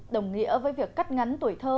đồng nghĩa với việc cắt ngắn tuổi thơ